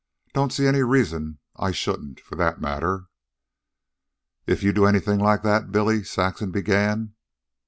Don't see any reason I shouldn't, for that matter." "If you do anything like that, Billy " Saxon began.